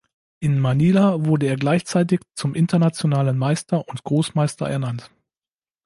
In Manila wurde er gleichzeitig zum Internationalen Meister und Großmeister ernannt.